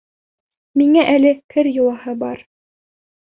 Миңә әле кер йыуаһы бар.